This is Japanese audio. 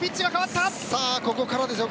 ここからですよ